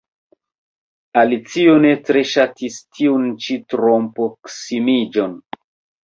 Alicio ne tre ŝatis tiun ĉi troproksimiĝon.